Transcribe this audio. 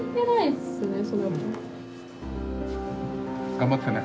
頑張ってね。